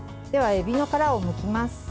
では、えびの殻をむきます。